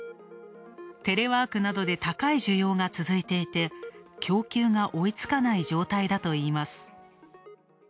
テレワークなどで高い需要が続いていて、供給が追いつかない状況だといいます。